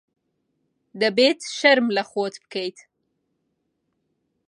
دەبێت شەرم لە خۆت بکەیت.